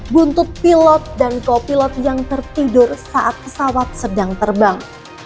buntut pilot dan kopilot yang tertidur saat pesawat sedang terbang